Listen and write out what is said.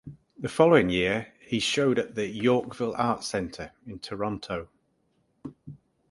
The following year, he showed at the Yorkville Art Center in Toronto.